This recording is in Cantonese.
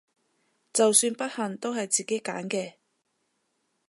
就算不幸都係自己揀嘅！